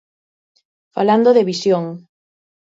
Falando de visión.